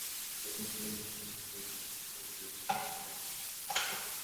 সদরঘাটের মানুষ ছাতা মাথায়, অনেকে পলিথিন মাথায় দিয়ে দৈনন্দিন কাজে নেমে পড়েছেন।